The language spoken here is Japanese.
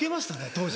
当時。